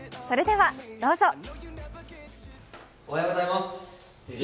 それではどうぞ。